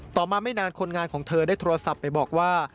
มาไม่นานคนงานของเธอได้โทรศัพท์ไปบอกว่า